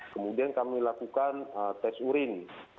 kemudian kami lakukan tes urin